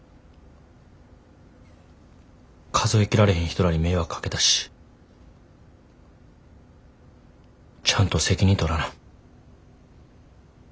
数え切られへん人らに迷惑かけたしちゃんと責任取らな。